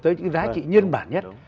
tới những giá trị nhân bản nhất